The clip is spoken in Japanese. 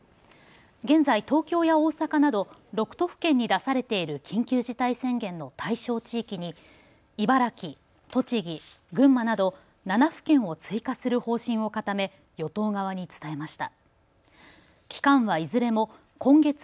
現在、東京や大阪など６都府県に出されている緊急事態宣言の対象地域に茨城、栃木、群馬など７府県を追加する方針を固め与党側に伝えました。